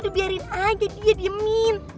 udah biarin aja dia diemin